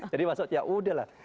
jadi maksudnya ya udah lah